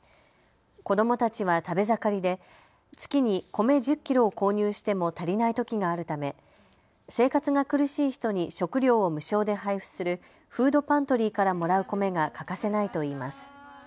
子どもたちは食べ盛りで月に米１０キロを購入しても足りないときがあるため生活が苦しい人に食料を無償で配布するフードパントリーからもらう米が欠かせないといいます。